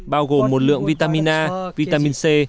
bao gồm một lượng vitamin a vitamin c